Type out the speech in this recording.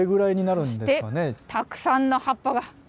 そして、たくさんの葉っぱが。